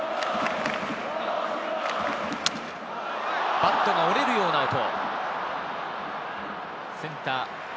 バットが折れるような音。